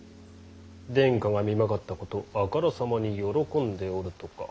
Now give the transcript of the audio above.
殿下が身まかったことあからさまに喜んでおるとか。